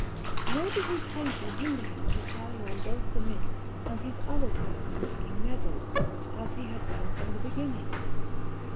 Nor did his painting hinder him from carrying on both the Mint and his other work of making medals, as he had done from the beginning.